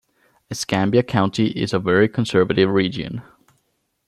Escambia County is a very conservative region.